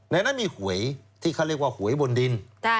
ในนั้นมีหวยที่เขาเรียกว่าหวยบนดิน